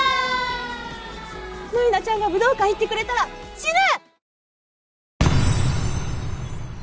舞菜ちゃんが武道館いってくれたら死ぬ！